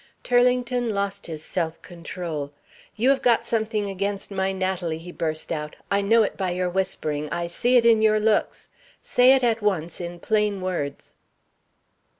Turlington lost his self control. "You have got something against my Natalie," he burst out; "I know it by your whispering, I see it in your looks! Say it at once in plain words."